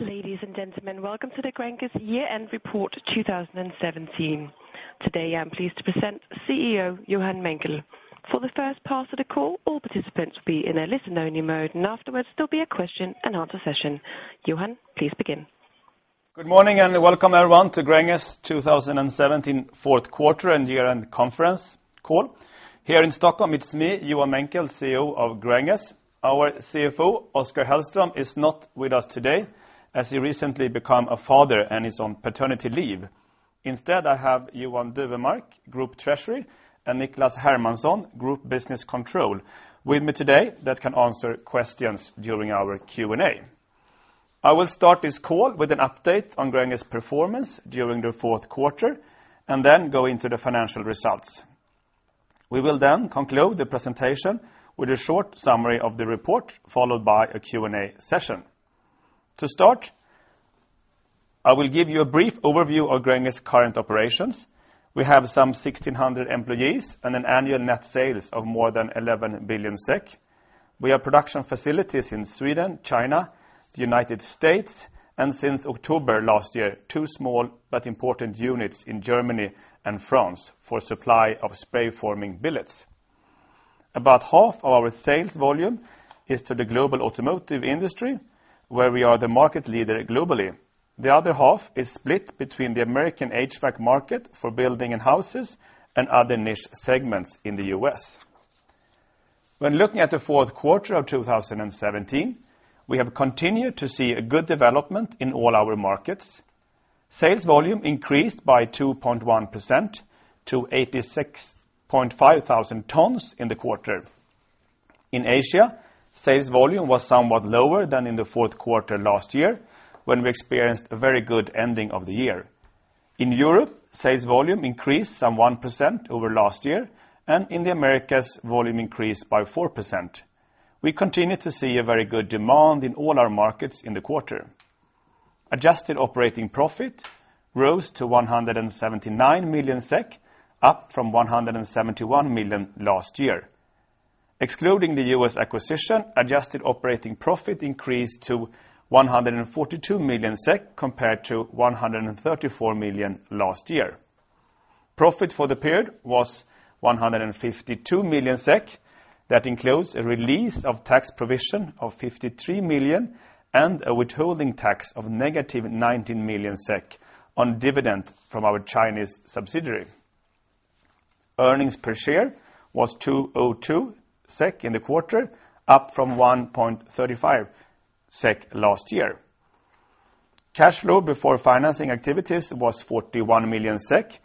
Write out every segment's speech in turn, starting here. Ladies and gentlemen, welcome to the Gränges Year End Report 2017. Today, I am pleased to present CEO Johan Menckel. For the first part of the call, all participants will be in a listen-only mode, afterwards there will be a question and answer session. Johan, please begin. Good morning, and welcome everyone to Gränges 2017 fourth quarter and year-end conference call. Here in Stockholm, it is me, Johan Menckel, CEO of Gränges. Our CFO, Oskar Hellström, is not with us today as he recently become a father and is on paternity leave. Instead, I have Johan Dufvenmark, Group Treasury, and Niklas Hermansson, Group Business Control, with me today that can answer questions during our Q&A. I will start this call with an update on Gränges' performance during the fourth quarter go into the financial results. We will conclude the presentation with a short summary of the report, followed by a Q&A session. To start, I will give you a brief overview of Gränges' current operations. We have some 1,600 employees and an annual net sales of more than 11 billion SEK. We have production facilities in Sweden, China, the United States, and since October last year, two small but important units in Germany and France for supply of spray forming billets. About half our sales volume is to the global automotive industry, where we are the market leader globally. The other half is split between the American HVAC market for building and houses and other niche segments in the U.S. When looking at the fourth quarter of 2017, we have continued to see a good development in all our markets. Sales volume increased by 2.1% to 86.5 thousand tons in the quarter. In Asia, sales volume was somewhat lower than in the fourth quarter last year when we experienced a very good ending of the year. In Europe, sales volume increased some 1% over last year, in the Americas, volume increased by 4%. We continue to see a very good demand in all our markets in the quarter. Adjusted operating profit rose to 179 million SEK, up from 171 million last year. Excluding the U.S. acquisition, adjusted operating profit increased to 142 million SEK compared to 134 million last year. Profit for the period was 152 million SEK. That includes a release of tax provision of 53 million and a withholding tax of negative 19 million SEK on dividend from our Chinese subsidiary. Earnings per share was 2.02 SEK in the quarter, up from 1.35 SEK last year. Cash flow before financing activities was 41 million SEK.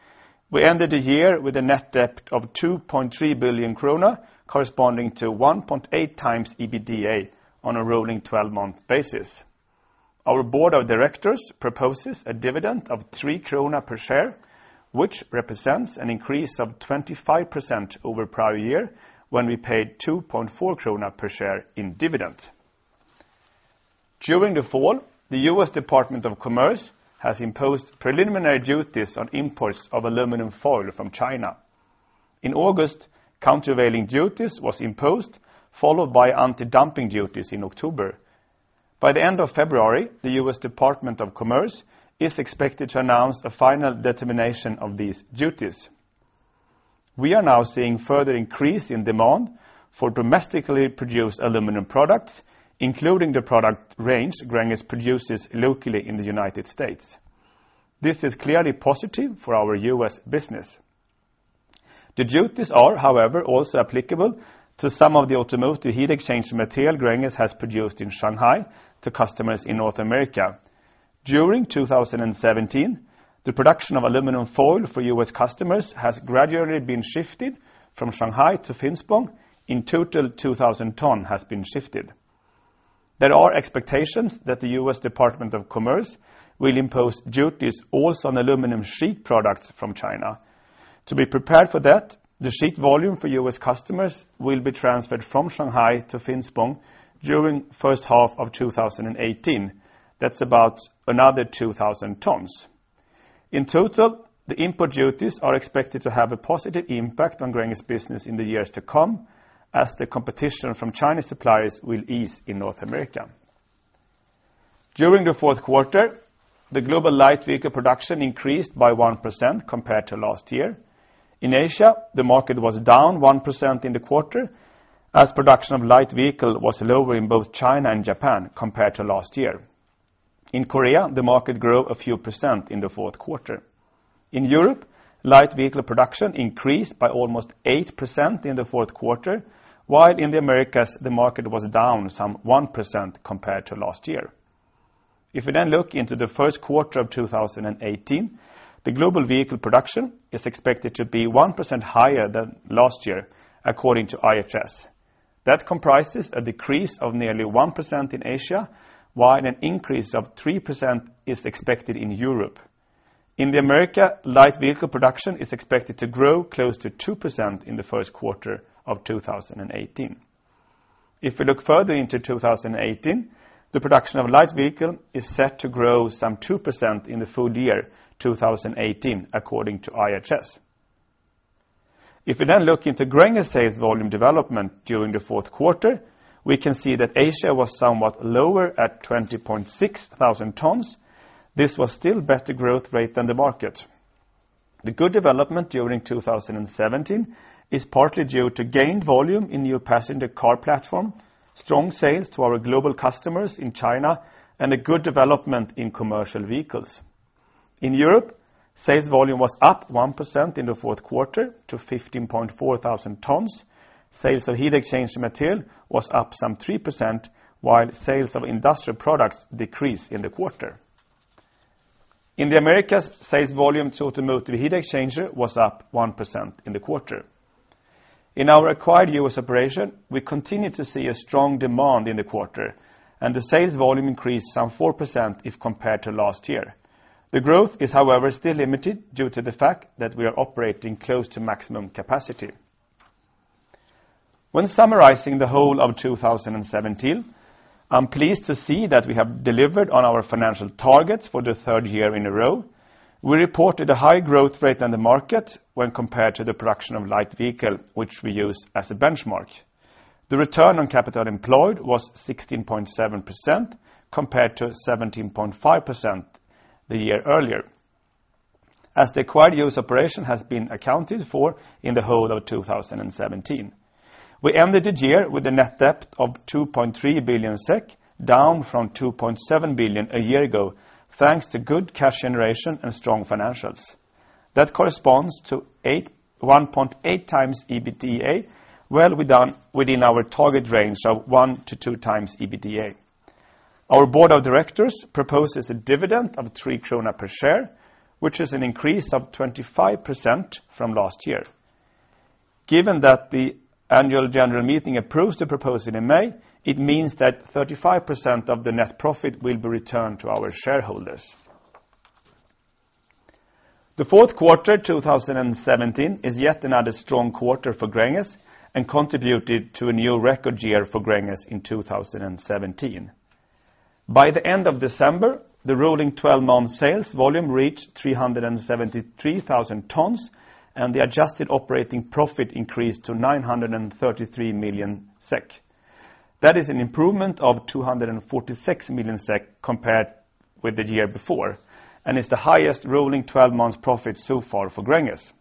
We ended the year with a net debt of 2.3 billion krona, corresponding to 1.8 times EBITDA on a rolling 12-month basis. Our board of directors proposes a dividend of 3 krona per share, which represents an increase of 25% over prior year when we paid 2.4 krona per share in dividend. During the fall, the U.S. Department of Commerce has imposed preliminary duties on imports of aluminum foil from China. In August, countervailing duties was imposed, followed by anti-dumping duties in October. By the end of February, the U.S. Department of Commerce is expected to announce a final determination of these duties. We are now seeing further increase in demand for domestically produced aluminum products, including the product range Gränges produces locally in the U.S. This is clearly positive for our U.S. business. The duties are, however, also applicable to some of the automotive heat exchange material Gränges has produced in Shanghai to customers in North America. During 2017, the production of aluminum foil for U.S. customers has gradually been shifted from Shanghai to Finspång. In total, 2,000 tons has been shifted. There are expectations that the U.S. Department of Commerce will impose duties also on aluminum sheet products from China. To be prepared for that, the sheet volume for U.S. customers will be transferred from Shanghai to Finspång during first half of 2018. That's about another 2,000 tons. In total, the import duties are expected to have a positive impact on Gränges' business in the years to come as the competition from Chinese suppliers will ease in North America. During the fourth quarter, the global light vehicle production increased by 1% compared to last year. In Asia, the market was down 1% in the quarter as production of light vehicle was lower in both China and Japan compared to last year. In Korea, the market grew a few percent in the fourth quarter. In Europe, light vehicle production increased by almost 8% in the fourth quarter, while in the Americas, the market was down some 1% compared to last year. If we look into the first quarter of 2018, the global vehicle production is expected to be 1% higher than last year, according to IHS. That comprises a decrease of nearly 1% in Asia, while an increase of 3% is expected in Europe. In the Americas, light vehicle production is expected to grow close to 2% in the first quarter of 2018. If we look further into 2018, the production of light vehicle is set to grow some 2% in the full year 2018, according to IHS. If you look into Gränges sales volume development during the fourth quarter, we can see that Asia was somewhat lower at 20,600 tons. This was still better growth rate than the market. The good development during 2017 is partly due to gained volume in new passenger car platform, strong sales to our global customers in China, and a good development in commercial vehicles. In Europe, sales volume was up 1% in the fourth quarter to 15,400 tons. Sales of heat exchanger material was up some 3%, while sales of industrial products decreased in the quarter. In the Americas, sales volume to automotive heat exchanger was up 1% in the quarter. In our acquired U.S. operation, we continued to see a strong demand in the quarter, and the sales volume increased some 4% if compared to last year. The growth is, however, still limited due to the fact that we are operating close to maximum capacity. When summarizing the whole of 2017, I am pleased to see that we have delivered on our financial targets for the third year in a row. We reported a high growth rate in the market when compared to the production of light vehicle, which we use as a benchmark. The return on capital employed was 16.7% compared to 17.5% the year earlier. As the acquired U.S. operation has been accounted for in the whole of 2017. We ended the year with a net debt of 2.3 billion SEK, down from 2.7 billion a year ago, thanks to good cash generation and strong financials. That corresponds to 1.8 times EBITDA, well within our target range of 1 to 2 times EBITDA. Our board of directors proposes a dividend of 3 krona per share, which is an increase of 25% from last year. Given that the annual general meeting approves the proposal in May, it means that 35% of the net profit will be returned to our shareholders. The fourth quarter 2017 is yet another strong quarter for Gränges and contributed to a new record year for Gränges in 2017. By the end of December, the rolling 12-month sales volume reached 373,000 tons, and the adjusted operating profit increased to 933 million SEK. That is an improvement of 246 million SEK compared with the year before, and is the highest rolling 12-months profit so far for Gränges.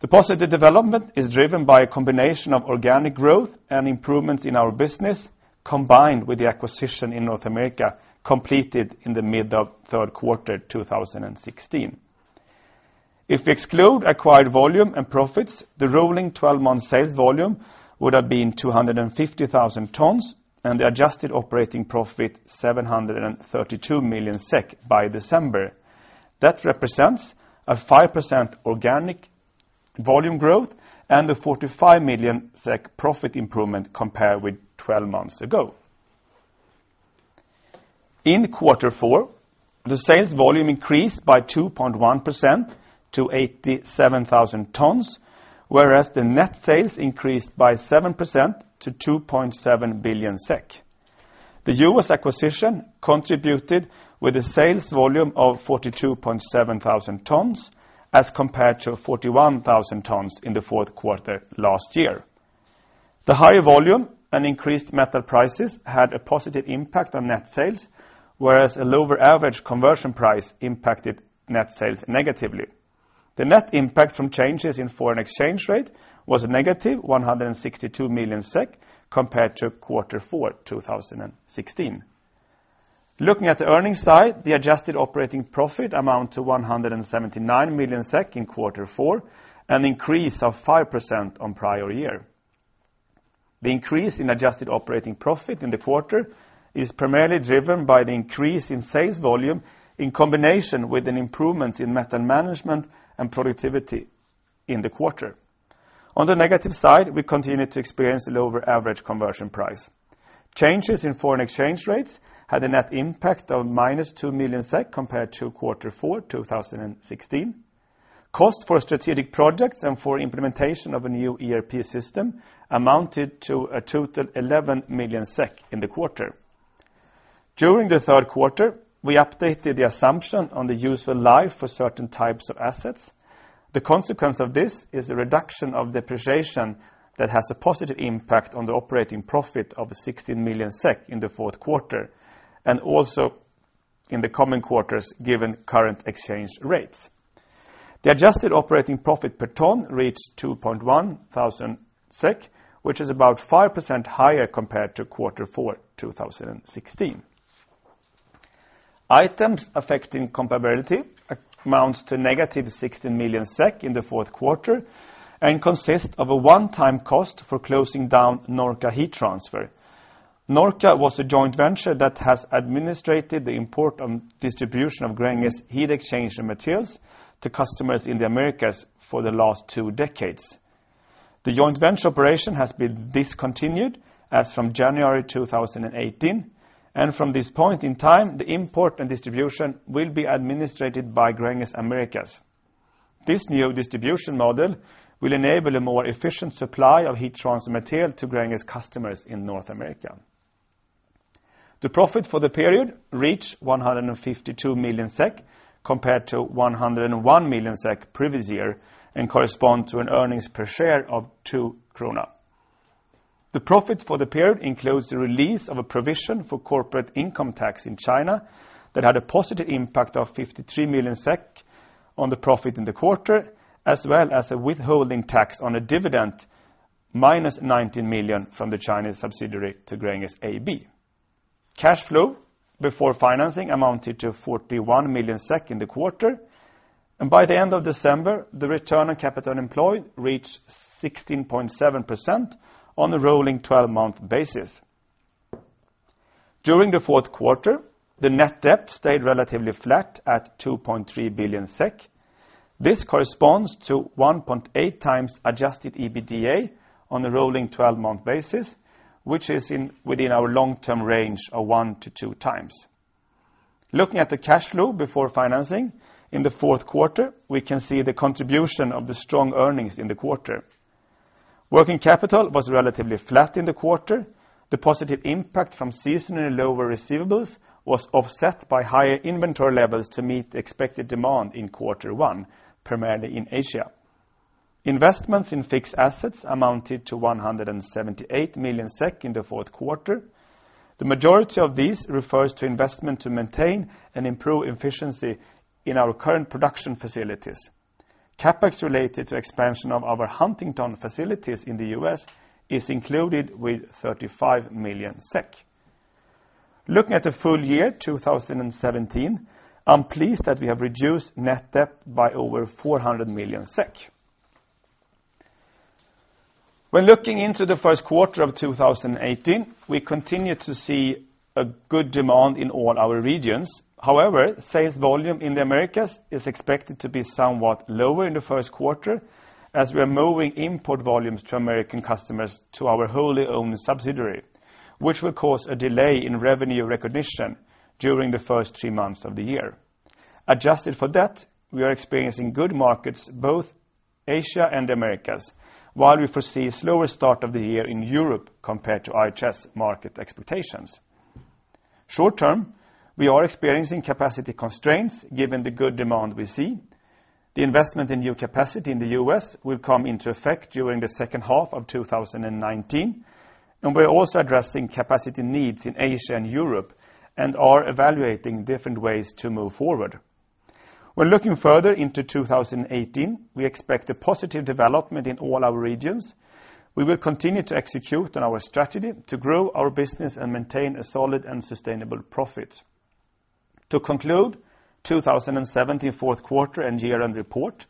The positive development is driven by a combination of organic growth and improvements in our business, combined with the acquisition in North America, completed in the mid of third quarter 2016. If we exclude acquired volume and profits, the rolling 12-month sales volume would have been 250,000 tons, and the adjusted operating profit 732 million SEK by December. That represents a 5% organic volume growth and a 45 million SEK profit improvement compared with 12 months ago. In quarter four, the sales volume increased by 2.1% to 87,000 tons, whereas the net sales increased by 7% to 2.7 billion SEK. The U.S. acquisition contributed with a sales volume of 42,700 tons as compared to 41,000 tons in the fourth quarter last year. The higher volume and increased metal prices had a positive impact on net sales, whereas a lower average conversion price impacted net sales negatively. The net impact from changes in foreign exchange rate was a negative 162 million SEK compared to quarter four 2016. Looking at the earnings side, the adjusted operating profit amounted to 179 million SEK in quarter four, an increase of 5% on prior year. The increase in adjusted operating profit in the quarter is primarily driven by the increase in sales volume in combination with an improvements in metal management and productivity in the quarter. On the negative side, we continued to experience a lower average conversion price. Changes in foreign exchange rates had a net impact of minus 2 million SEK compared to quarter four 2016. Cost for strategic projects and for implementation of a new ERP system amounted to a total 11 million SEK in the quarter. During the third quarter, we updated the assumption on the useful life for certain types of assets. The consequence of this is a reduction of depreciation that has a positive impact on the operating profit of 16 million SEK in the fourth quarter and also in the coming quarters given current exchange rates. The adjusted operating profit per ton reached 2,100 SEK, which is about 5% higher compared to quarter 4 2016. Items affecting comparability amounts to negative 16 million SEK in the fourth quarter and consist of a one-time cost for closing down Norca Heat Transfer. Norca was a joint venture that has administrated the import and distribution of Gränges heat exchanger materials to customers in the Americas for the last two decades. The joint venture operation has been discontinued as from January 2018, and from this point in time, the import and distribution will be administrated by Gränges Americas. This new distribution model will enable a more efficient supply of heat transfer material to Gränges customers in North America. The profit for the period reached 152 million SEK compared to 101 million SEK previous year, and corresponds to an earnings per share of 2 krona. The profit for the period includes the release of a provision for corporate income tax in China that had a positive impact of 53 million SEK on the profit in the quarter, as well as a withholding tax on a dividend, minus 19 million from the Chinese subsidiary to Gränges AB. Cash flow before financing amounted to 41 million SEK in the quarter, and by the end of December, the return on capital employed reached 16.7% on a rolling 12-month basis. During the fourth quarter, the net debt stayed relatively flat at 2.3 billion SEK. This corresponds to 1.8 times adjusted EBITDA on a rolling 12-month basis, which is within our long-term range of one to two times. Looking at the cash flow before financing in the fourth quarter, we can see the contribution of the strong earnings in the quarter. Working capital was relatively flat in the quarter. The positive impact from seasonally lower receivables was offset by higher inventory levels to meet expected demand in quarter 1, primarily in Asia. Investments in fixed assets amounted to 178 million SEK in the fourth quarter. The majority of these refers to investment to maintain and improve efficiency in our current production facilities. CapEx related to expansion of our Huntington facilities in the U.S. is included with 35 million SEK. Looking at the full year 2017, I'm pleased that we have reduced net debt by over 400 million SEK. When looking into the first quarter of 2018, we continue to see a good demand in all our regions. However, sales volume in the Americas is expected to be somewhat lower in the first quarter, as we are moving import volumes to American customers to our wholly owned subsidiary, which will cause a delay in revenue recognition during the first three months of the year. Adjusted for that, we are experiencing good markets, both Asia and the Americas, while we foresee a slower start of the year in Europe compared to IHS Markit expectations. Short term, we are experiencing capacity constraints given the good demand we see. The investment in new capacity in the U.S. will come into effect during the second half of 2019, and we're also addressing capacity needs in Asia and Europe, and are evaluating different ways to move forward. Looking further into 2018, we expect a positive development in all our regions. We will continue to execute on our strategy to grow our business and maintain a solid and sustainable profit. To conclude 2017 fourth quarter and year-end report,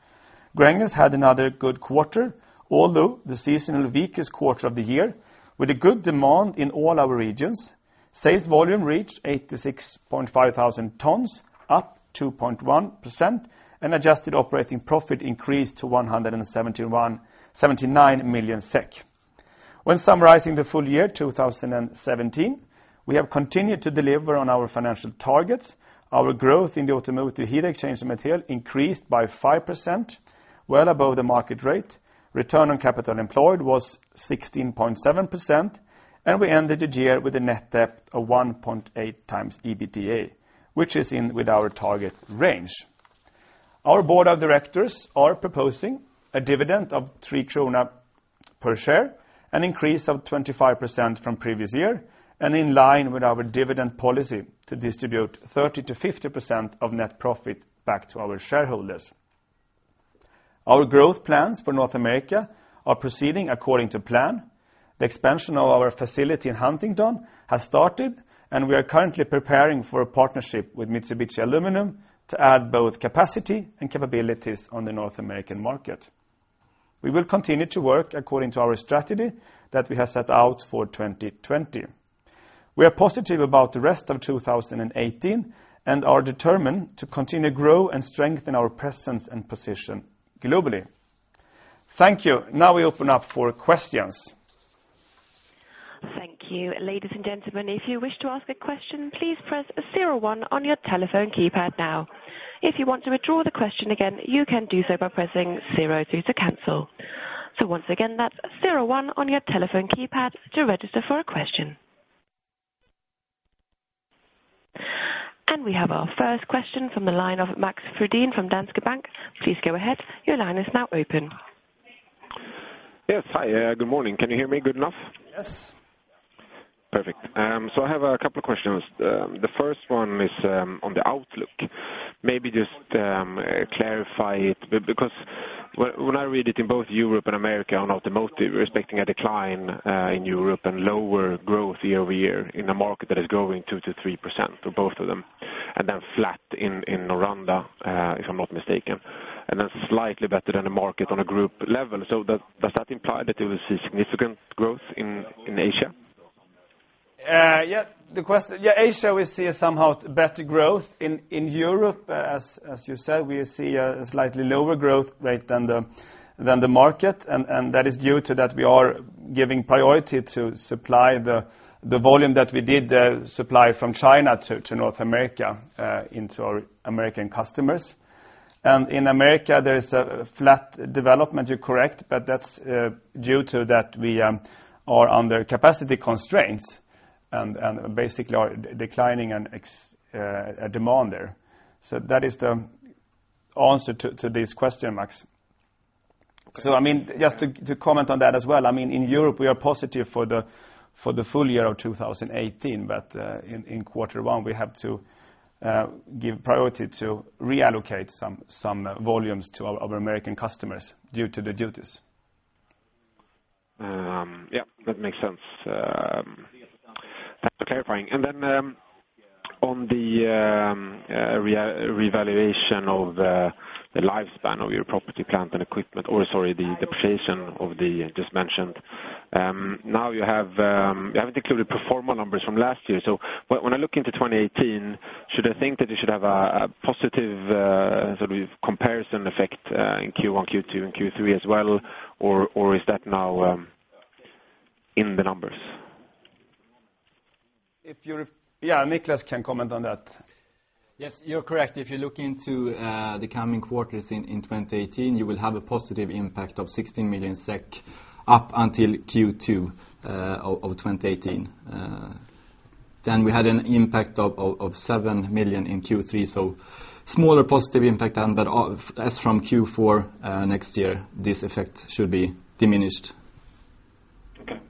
Gränges had another good quarter, although the seasonal weakest quarter of the year with a good demand in all our regions. Sales volume reached 86,500 tons, up 2.1%, and adjusted operating profit increased to 179 million SEK. Summarizing the full year 2017, we have continued to deliver on our financial targets. Our growth in the automotive heat exchanger material increased by 5%, well above the market rate. Return on capital employed was 16.7%, and we ended the year with a net debt of 1.8 times EBITDA, which is in line with our target range. Our board of directors are proposing a dividend of three SEK per share, an increase of 25% from previous year, and in line with our dividend policy to distribute 30%-50% of net profit back to our shareholders. Our growth plans for North America are proceeding according to plan. The expansion of our facility in Huntington has started, and we are currently preparing for a partnership with Mitsubishi Aluminum to add both capacity and capabilities on the North American market. We will continue to work according to our strategy that we have set out for 2020. We are positive about the rest of 2018 and are determined to continue to grow and strengthen our presence and position globally. Thank you. We open up for questions. Thank you. Ladies and gentlemen, if you wish to ask a question, please press 01 on your telephone keypad now. If you want to withdraw the question again, you can do so by pressing 00 to cancel. Once again, that's 01 on your telephone keypad to register for a question. We have our first question from the line of Max Frydén from Danske Bank. Please go ahead. Your line is now open. Yes. Hi. Good morning. Can you hear me good enough? Yes. Perfect. I have a couple questions. The first one is on the outlook. Maybe just clarify it because when I read it in both Europe and Americas on automotive, we're expecting a decline in Europe and lower growth year-over-year in a market that is growing 2%-3% for both of them, and then flat in Americas, if I'm not mistaken, and then slightly better than the market on a group level. Does that imply that you will see significant growth in Asia? Asia, we see a somehow better growth. In Europe, as you said, we see a slightly lower growth rate than the market, and that is due to that we are giving priority to supply the volume that we did supply from China to North America, into our American customers. In Americas there is a flat development, you're correct, but that's due to that we are under capacity constraints and basically are declining in demand there. That is the answer to this question, Max. Just to comment on that as well, in Europe we are positive for the full year of 2018, but in Q1 we have to give priority to reallocate some volumes to our American customers due to the duties. That makes sense. Thanks for clarifying. On the revaluation of the lifespan of your property, plant, and equipment, or, sorry, the depreciation of the just mentioned. You haven't included pro forma numbers from last year, when I look into 2018, should I think that you should have a positive comparison effect in Q1, Q2, and Q3 as well? Or is that now in the numbers? Niklas can comment on that. Yes, you're correct. If you look into the coming quarters in 2018, you will have a positive impact of 16 million SEK up until Q2 of 2018. We had an impact of 7 million in Q3, so smaller positive impact then, as from Q4 next year, this effect should be diminished. Okay.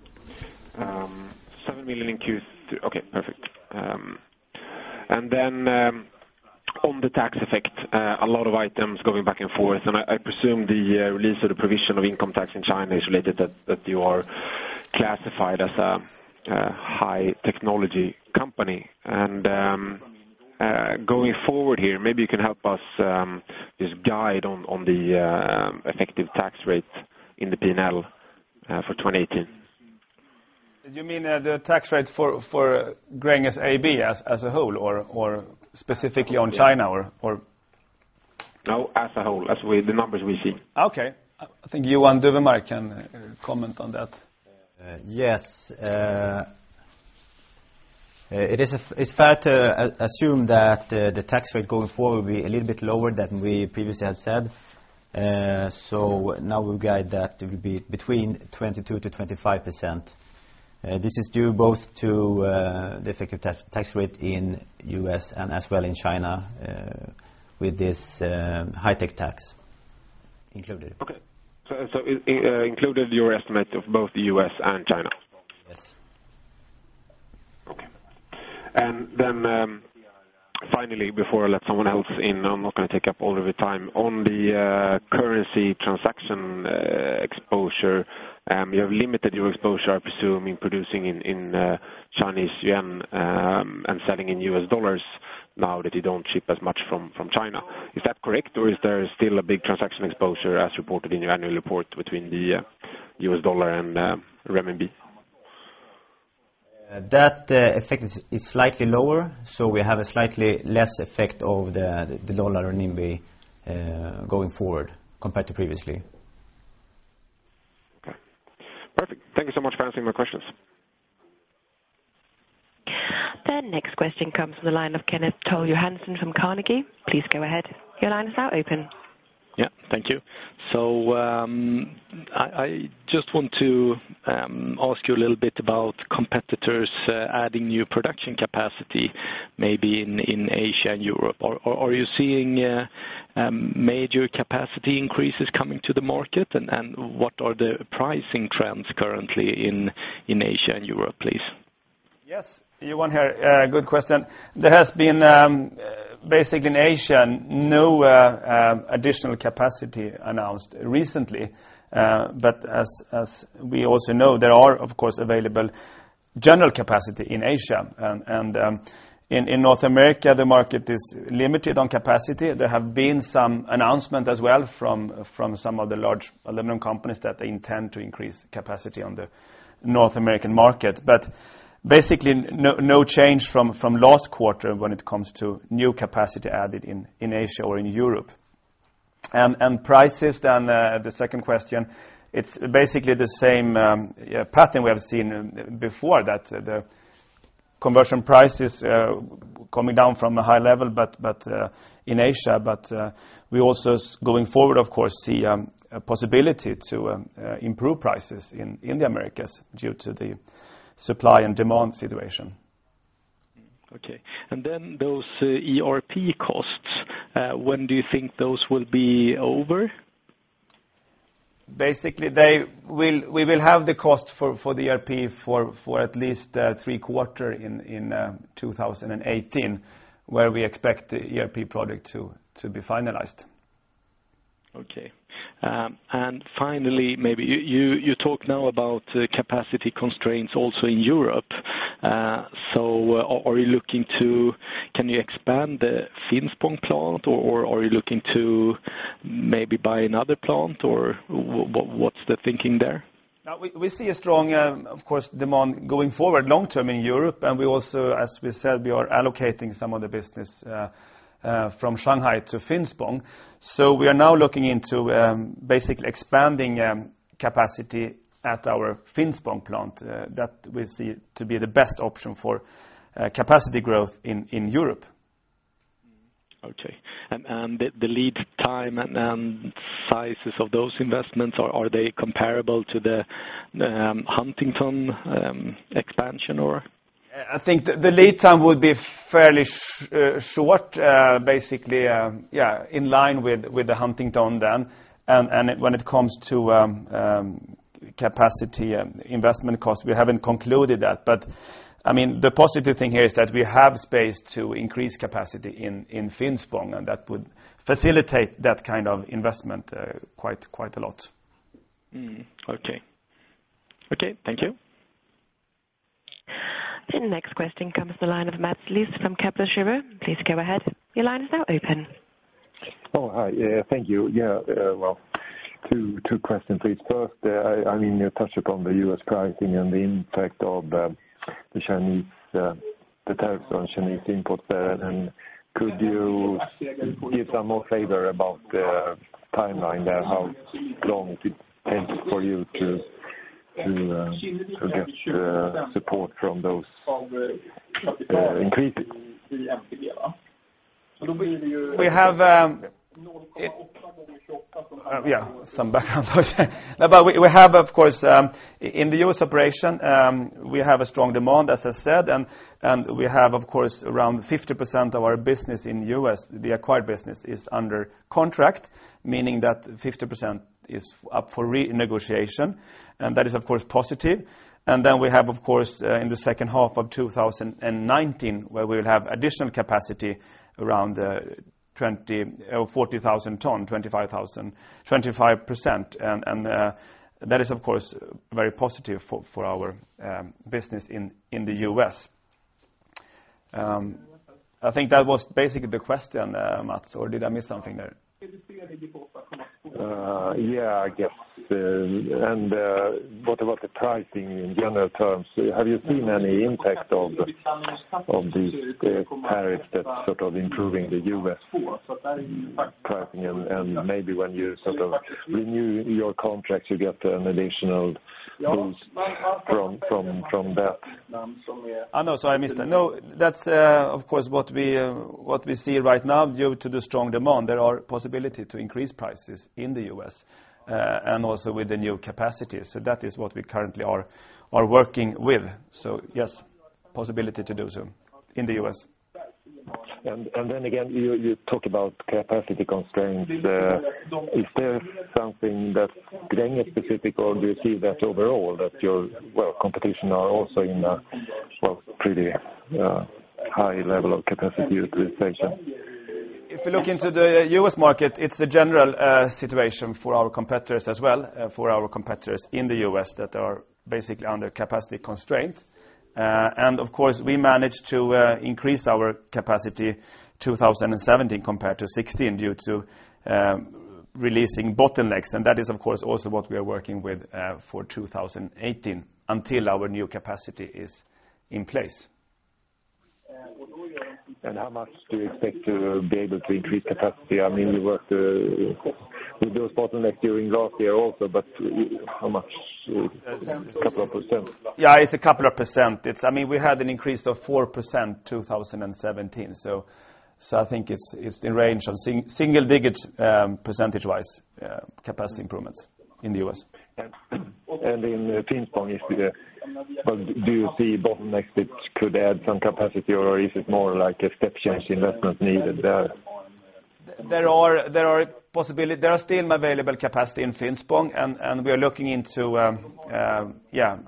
7 million in Q3. Okay, perfect. On the tax effect, a lot of items going back and forth, I presume the release of the provision of income tax in China is related that you are classified as a high technology company. Going forward here, maybe you can help us, this guide on the effective tax rate in the P&L for 2018. You mean the tax rate for Gränges AB as a whole or specifically on China or? No, as a whole, as the numbers we see. Okay. I think Johan Dufvenmark can comment on that. Yes. It's fair to assume that the tax rate going forward will be a little bit lower than we previously had said. Now we guide that it will be between 22%-25%. This is due both to the effective tax rate in U.S. and as well in China with this high tech tax included. Okay. Included your estimate of both U.S. and China? Yes. Finally, before I let someone else in, I'm not going to take up all of the time. On the currency transaction exposure, you have limited your exposure, I presume, in producing in CNY, and selling in USD now that you don't ship as much from China. Is that correct? Or is there still a big transaction exposure as reported in your annual report between the USD and CNY? That effect is slightly lower, so we have a slightly less effect of the dollar renminbi going forward compared to previously. Okay. Perfect. Thank you so much for answering my questions. The next question comes from the line of Kenneth Toll Johansson from Carnegie. Please go ahead. Your line is now open. Yeah. Thank you. I just want to ask you a little bit about competitors adding new production capacity, maybe in Asia and Europe. Are you seeing major capacity increases coming to the market? What are the pricing trends currently in Asia and Europe, please? Yes. Johan here. Good question. There has been, basically in Asia, no additional capacity announced recently. As we also know, there are, of course, available general capacity in Asia. In North America, the market is limited on capacity. There have been some announcement as well from some of the large aluminum companies that they intend to increase capacity on the North American market. Basically, no change from last quarter when it comes to new capacity added in Asia or in Europe. Prices, the second question, it's basically the same pattern we have seen before, that the conversion prices coming down from a high level in Asia. We also, going forward, of course, see a possibility to improve prices in the Americas due to the supply and demand situation. Okay. Those ERP costs, when do you think those will be over? Basically, we will have the cost for the ERP for at least three quarter in 2018, where we expect the ERP project to be finalized. Okay. Finally, maybe you talk now about capacity constraints also in Europe. Can you expand the Finspång plant, or are you looking to maybe buy another plant, or what's the thinking there? We see a strong, of course, demand going forward long term in Europe. We also, as we said, we are allocating some of the business from Shanghai to Finspång. We are now looking into basically expanding capacity at our Finspång plant. That we see to be the best option for capacity growth in Europe. Okay. The lead time and sizes of those investments, are they comparable to the Huntington expansion? I think the lead time would be fairly short, basically, in line with the Huntington then. When it comes to capacity investment cost, we haven't concluded that. The positive thing here is that we have space to increase capacity in Finspång, and that would facilitate that kind of investment quite a lot. Okay. Thank you. The next question comes to the line of Mats Liss from Kepler Cheuvreux. Please go ahead. Your line is now open. Oh, hi. Thank you. Two questions, please. First, you touched upon the U.S. pricing and the impact of the tariffs on Chinese imports there. Could you give some more flavor about the timeline there, how long it takes for you to get support from those increases? We have some background noise there. We have, of course, in the U.S. operation, we have a strong demand, as I said, and we have, of course, around 50% of our business in the U.S., the acquired business is under contract, meaning that 50% is up for renegotiation. That is, of course, positive. Then we have, of course, in the second half of 2019, where we'll have additional capacity around 40,000 tons, 25%. That is, of course, very positive for our business in the U.S. I think that was basically the question, Mats, or did I miss something there? Yeah, I guess. What about the pricing in general terms? Have you seen any impact of these tariffs that's improving the U.S. pricing, and maybe when you renew your contracts, you get an additional boost from that? No, sorry, I missed that. That is what we see right now due to the strong demand. There is possibility to increase prices in the U.S., and also with the new capacity. That is what we currently are working with. Yes, possibility to do so in the U.S. Again, you talk about capacity constraints. Is there something that is Gränges specific, or do you see that overall that your competition is also in a pretty high level of capacity utilization? If you look into the U.S. market, it is a general situation for our competitors as well, for our competitors in the U.S. that are basically under capacity constraints. Of course, we managed to increase our capacity 2017 compared to 2016 due to releasing bottlenecks, that is, of course, also what we are working with for 2018 until our new capacity is in place. How much do you expect to be able to increase capacity? You worked with those bottlenecks during last year also, but how much? A couple of %? Yeah, it's a couple of percent. We had an increase of 4% 2017. I think it's in range of single digits, percentage-wise, capacity improvements in the U.S. In Finspång, do you see bottlenecks that could add some capacity, or is it more like a step-change investment needed there? There are still available capacity in Finspång, and we are looking into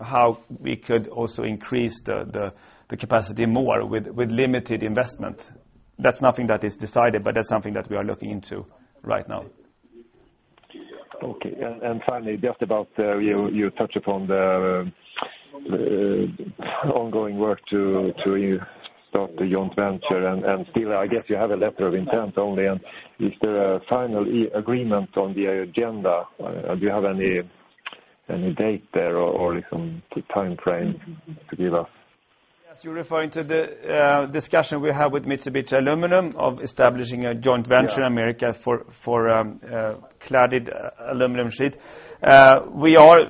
how we could also increase the capacity more with limited investment. That's nothing that is decided, but that's something that we are looking into right now. Okay. Finally, just about, you touched upon the ongoing work to start the joint venture, and still, I guess you have a letter of intent only, and is there a final agreement on the agenda? Do you have any date there or some time frame to give us? Yes, you're referring to the discussion we have with Mitsubishi Aluminum of establishing a joint venture in America for cladded aluminum sheet. We are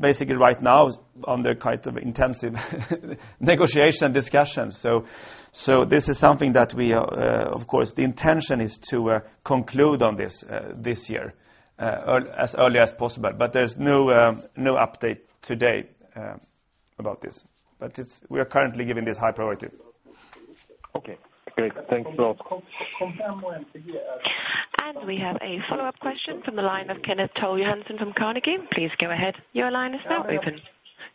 basically right now under quite intensive negotiation discussions. This is something that we are, of course, the intention is to conclude on this year as early as possible, but there's no update today about this. We are currently giving this high priority. Okay, great. Thanks a lot. We have a follow-up question from the line of Kenneth Toll Johansson from Carnegie. Please go ahead. Your line is now open.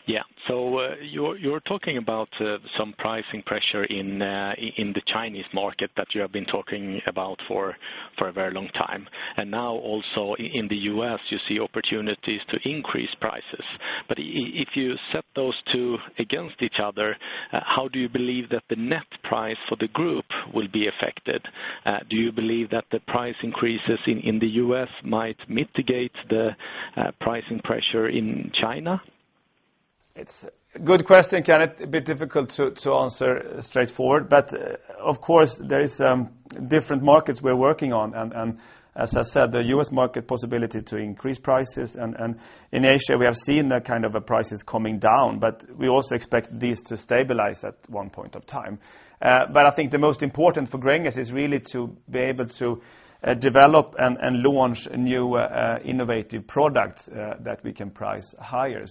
Yeah. You're talking about some pricing pressure in the Chinese market that you have been talking about for a very long time. Now also in the U.S., you see opportunities to increase prices. If you set those two against each other, how do you believe that the net price for the group will be affected? Do you believe that the price increases in the U.S. might mitigate the pricing pressure in China? It's a good question, a bit difficult to answer straightforward. Of course, there are different markets we're working on. As I said, the U.S. market possibility to increase prices, and in Asia, we have seen the prices coming down. We also expect these to stabilize at one point of time. I think the most important for Gränges is really to be able to develop and launch new innovative products that we can price higher.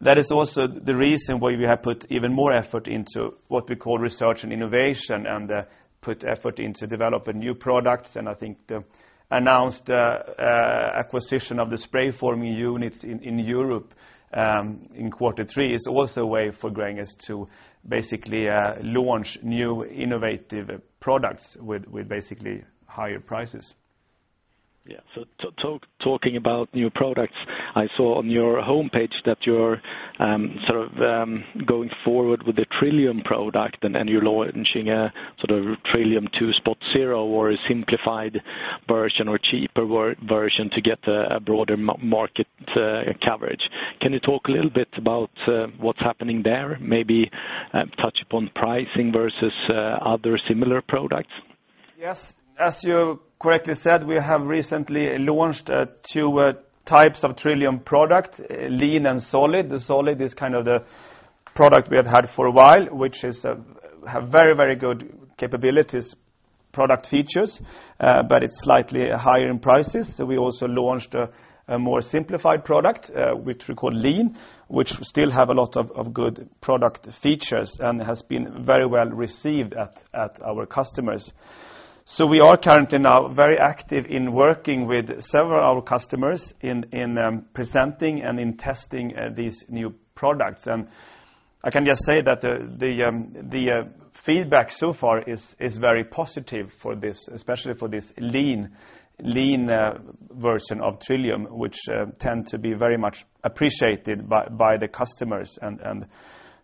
That is also the reason why we have put even more effort into what we call research and innovation, and put effort into developing new products. I think the announced acquisition of the spray forming units in Europe, in quarter three is also a way for Gränges to basically launch new innovative products with basically higher prices. Yeah. Talking about new products, I saw on your homepage that you're going forward with the TRILLIUM product, and you're launching a TRILLIUM 2.0 or a simplified version or cheaper version to get a broader market coverage. Can you talk a little bit about what's happening there? Maybe touch upon pricing versus other similar products. Yes. As you correctly said, we have recently launched 2 types of TRILLIUM product, TRILLUM Lean and TRILLIUM Solid. The TRILLIUM Solid is the product we have had for a while, which have very good capabilities, product features, but it's slightly higher in prices. We also launched a more simplified product, which we call TRILLIUM Lean, which still have a lot of good product features, and has been very well-received at our customers. We are currently now very active in working with several of our customers in presenting and in testing these new products. I can just say that the feedback so far is very positive for this, especially for this TRILLIUM Lean version of TRILLIUM, which tend to be very much appreciated by the customers.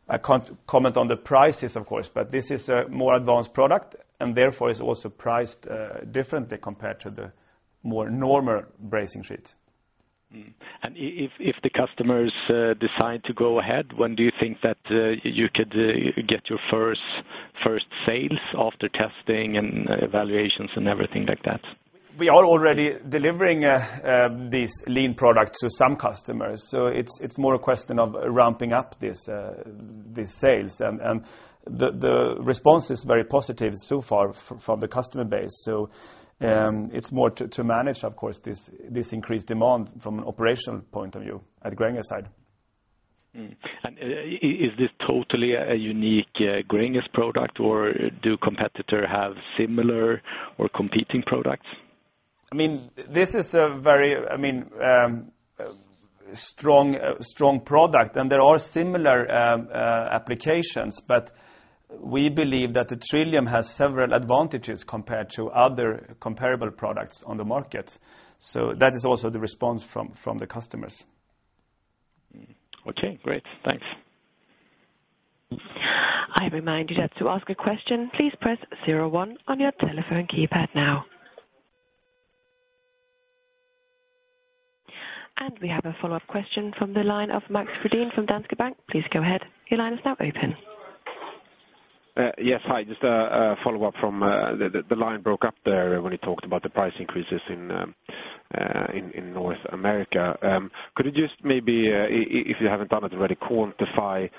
I can't comment on the prices, of course, but this is a more advanced product, and therefore is also priced differently compared to the more normal brazing sheets. If the customers decide to go ahead, when do you think that you could get your first sales after testing and evaluations and everything like that? We are already delivering these lean products to some customers, so it's more a question of ramping up these sales. The response is very positive so far from the customer base. It's more to manage, of course, this increased demand from an operational point of view at Gränges' side. Is this totally a unique Gränges product, or do competitor have similar or competing products? This is a very strong product, and there are similar applications, but we believe that the TRILLIUM has several advantages compared to other comparable products on the market. That is also the response from the customers. Okay, great. Thanks. I remind you that to ask a question, please press zero one on your telephone keypad now. We have a follow-up question from the line of Max Frydén from Danske Bank. Please go ahead. Your line is now open. Yes, hi, just a follow-up from, the line broke up there when you talked about the price increases in North America. Could you just maybe, if you haven't done it already, quantify,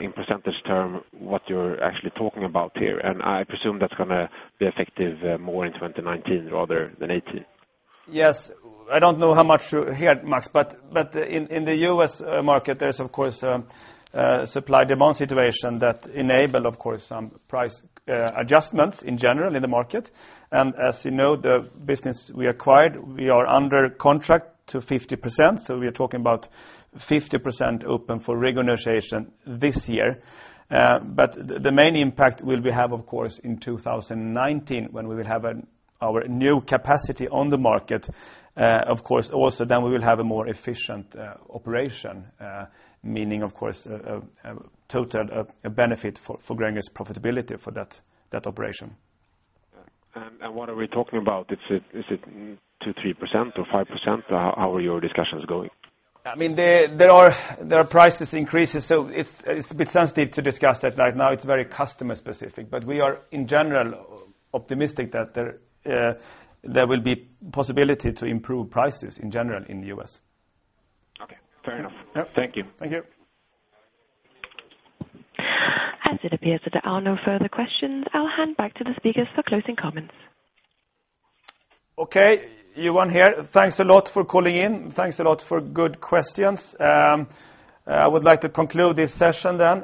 in percentage term, what you're actually talking about here? I presume that's going to be effective more in 2019 rather than 2018. Yes. I don't know how much you heard Max, in the U.S. market, there's of course a supply-demand situation that enable, of course, some price adjustments in general in the market. As you know, the business we acquired, we are under contract to 50%, we are talking about 50% open for renegotiation this year. The main impact will be have, of course, in 2019, when we will have our new capacity on the market. Of course, also then we will have a more efficient operation, meaning, of course, a total benefit for Gränges profitability for that operation. What are we talking about? Is it 2%-3% or 5%? How are your discussions going? There are price increases, it's a bit sensitive to discuss that right now. It's very customer specific. We are, in general, optimistic that there will be possibility to improve prices in general in the U.S. Okay, fair enough. Thank you. Thank you. As it appears that there are no further questions, I'll hand back to the speakers for closing comments. Okay, Johan here. Thanks a lot for calling in. Thanks a lot for good questions. I would like to conclude this session then.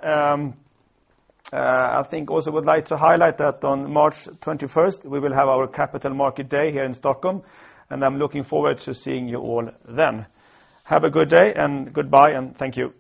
I think also would like to highlight that on March 21st, we will have our capital market day here in Stockholm, and I'm looking forward to seeing you all then. Have a good day, and goodbye, and thank you.